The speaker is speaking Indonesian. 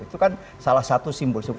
itu kan salah satu simbolisasi